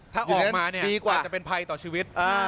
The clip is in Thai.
ถ้าออกมาเนี่ยดีกว่าจะเป็นภัยต่อชีวิต